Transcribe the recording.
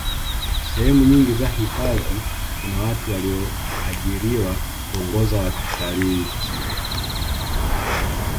sehemu nyingi za hifadhi kuna watu waliyoajiriwa kuongoza watalkii